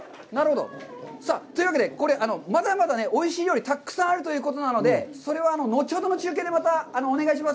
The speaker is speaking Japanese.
さあというわけで、これまだまだおいしい料理たくさんあるということなので、それは後ほどの中継でまたお願いします。